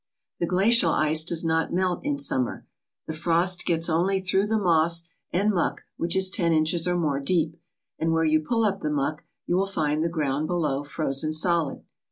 The glacial ice does not melt in summer. The frost gets only through the moss and muck which is ten inches or more deep, and where you pull up the muck you find the ground below frozen solid.